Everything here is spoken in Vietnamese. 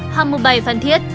hàm mưu bày phan thiết